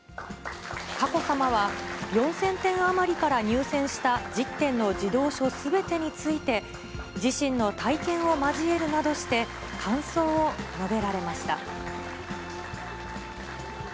佳子さまは、４０００点余りから入選した１０点の児童書すべてについて、自身の体験を交えるなどして感想を述べられました。